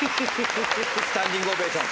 スタンディングオベーション。